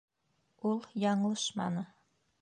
Ул яңылышманы...